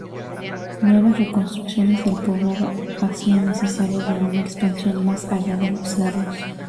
Nuevas reconstrucciones del poblado hacían necesario de una expansión más allá de los cerros.